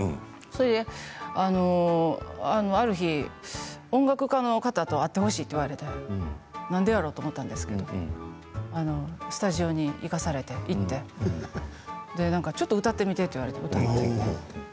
それである日音楽家の方と会ってほしいと言われて何でやろと思ったんですけれどスタジオに行かされて行ってちょっと歌ってみてって言われて歌って。